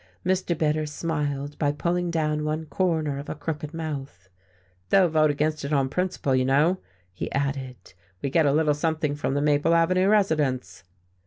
Mr. Bitter smiled by pulling down one corner of a crooked mouth. "They'll vote against it on principle, you know," he added. "We get a little something from the Maple Avenue residents."